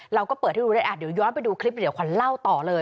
เราก็เปิดให้ดูได้เดี๋ยวย้อนไปดูคลิปเดี๋ยวขวัญเล่าต่อเลย